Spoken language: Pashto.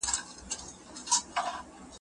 مورکۍ خوږه ده